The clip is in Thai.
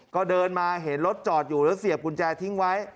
ก็เดินมาเห็นรถจอดอยู่แล้วเสียบกุญแจทิ้งไว้